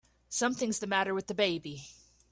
Something's the matter with the baby!